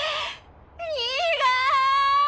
苦い！